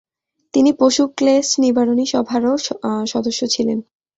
তিনি পশু-ক্লেশ নিবারণী সভারও সদস্য ছিলেন।